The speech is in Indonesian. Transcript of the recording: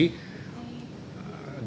dengan kapasitas kami yang ada saat ini